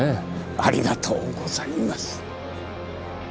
ありがとうございます。